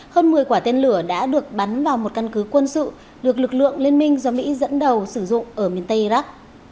hơn một mươi quả tên lửa đã được bắn vào một căn cứ quân sự được lực lượng liên minh do mỹ dẫn đầu sử dụng ở miền tây iraq